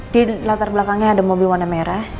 di latar belakangnya ada mobil warna merah